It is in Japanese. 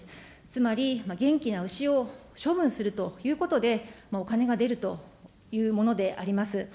つまり元気な牛を処分するということで、お金が出るというものであります。